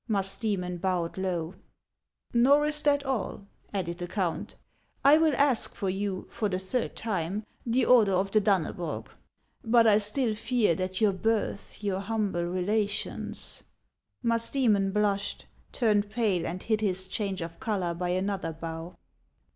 Musdcemon bowed low. " Xor is that all," added the count ;" I will ask for you, for the third time, the Order of the Dannebrog. But I still fear that your birth, your humble relations —: Musdcemon blushed, turned pale, and hid his change of color by another bow.